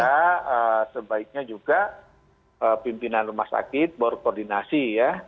maka sebaiknya juga pimpinan rumah sakit berkoordinasi ya